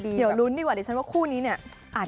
เดี๋ยวลุ้นดีกว่าดิฉันว่าคู่นี้เนี่ย